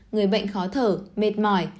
người bệnh khó thở mệt mỏi